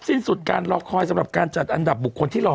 สิ้นสุดการรอคอยสำหรับการจัดอันดับบุคคลที่รอ